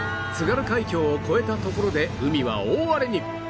津軽海峡を越えたところで海は大荒れに